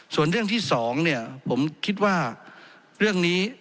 ส่วนเรื่องที่สองเนี่ยผมคิดว่าเรื่องนี้